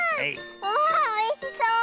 わあおいしそう！